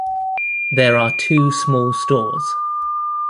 There are two small stores.